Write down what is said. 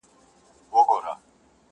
که د خولې مهر په حلوا مات کړي.